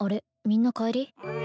みんな帰り？